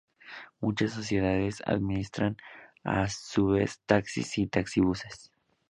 Muchas sociedades administran a su vez taxis y taxis-buses.